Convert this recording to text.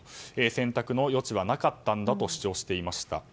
選択の余地はなかったんだと主張しました。